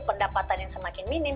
pendapatan yang semakin minim